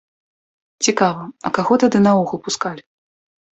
Цікава, а каго тады наогул пускалі?